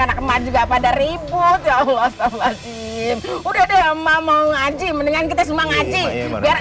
anak emak juga pada ribut ya allah swt udah deh emang ngaji mendingan kita semua ngaji biar